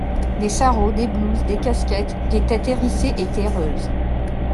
Des sarraus, des blouses, des casquettes, des têtes hérissées et terreuses.